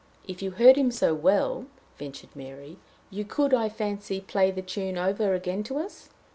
"If you heard him so well," ventured Mary, "you could, I fancy, play the tune over again to us."